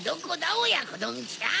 おやこどんちゃん。